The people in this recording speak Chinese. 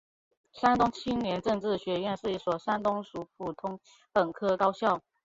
山东青年政治学院是一所山东省属普通本科高校。